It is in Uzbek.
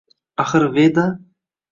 Axir Veda